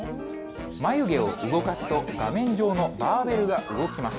眉毛を動かすと、画面上のバーベルが動きます。